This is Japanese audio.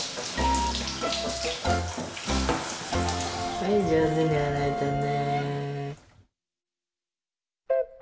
・はいじょうずにあらえたね。